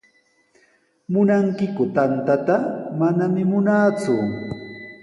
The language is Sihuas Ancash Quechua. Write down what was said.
¿Munankiku tantata? Manami munaaku.